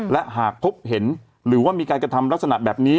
และหากพบเห็นหรือว่ามีการกระทำลักษณะแบบนี้